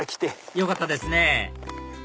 よかったですね